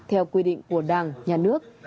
theo quy định của đảng nhà nước